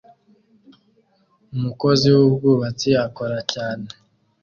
Umukozi wubwubatsi akora cyane